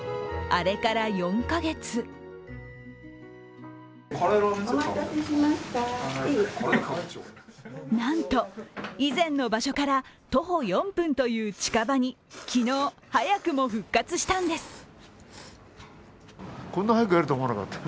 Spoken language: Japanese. あれから４カ月なんと以前の場所から徒歩４分という近場に昨日、早くも復活したんです。